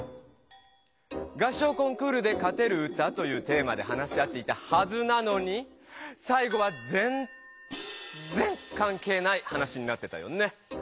「合唱コンクールで勝てる歌」というテーマで話し合っていたはずなのにさい後はぜんぜんかんけいない話になってたよね？